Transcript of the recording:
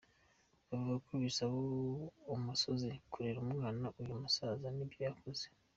Bavuga ko bisaba umusozi kurera umwana, uyu musaza ni byo yakoze.